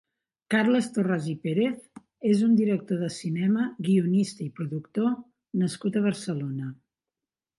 Carles Torras i Pérez és un director de cinema, guionista i productor nascut a Barcelona.